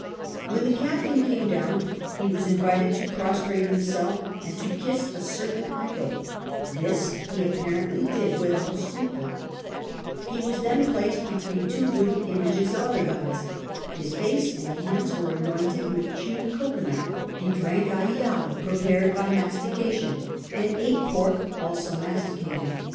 When tlie captain came down he was invited to prostrate himself and to kiss a certain idol; this he aj)parently did without ^ llopkins'd IlUtory of Hawaii^ p. 98. CAPTAIN COON CHAP. ISO scruple. He was then placed between two wooden images of other gods ; his face and hands were anointed with chewed cocoa nut; he diunk aeotv prepared by mastication, and ate pork also masticated.